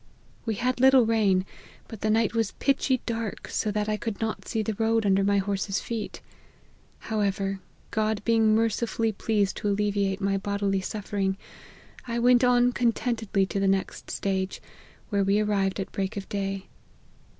We had little rain, but the night was pitchy dark, so that I could not see the road under my horse's feet. However, God being mercifully pleased to alleviate my bodily suffering, I went on contentedly to the next stage, where we arrived at break of day.